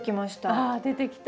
あ出てきた。